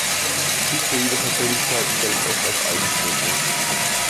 Schizoide Persönlichkeiten gelten oft als Eigenbrötler.